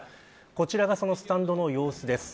こちらがスタンドの様子です。